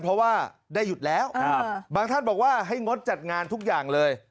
เพราะว่าได้หยุดแล้วบางท่านบอกว่าให้งดจัดงานทุกอย่างเลย